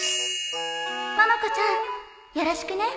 ももこちゃんよろしくね